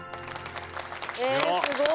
えすごい。